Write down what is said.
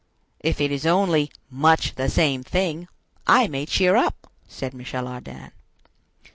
"If it is only 'much the same thing,' I may cheer up," said Michel Ardan.